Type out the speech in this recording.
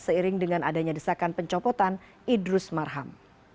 seiring dengan adanya desakan pencopotan idrus marham